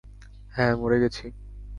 হ্যাঁ, মরে গেছি।